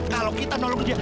kalau kita nolong dia